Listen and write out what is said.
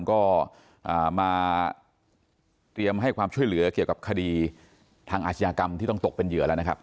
ก็มาเตรียมให้ความช่วยเหลือเกี่ยวกับคดีทางอาชญากรรมที่ต้องตกเป็นเหยื่อแล้วนะครับ